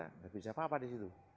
tidak bisa apa apa disitu